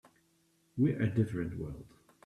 We're a different world.